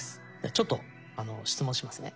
ちょっと質問しますね。